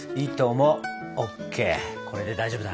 これで大丈夫だな！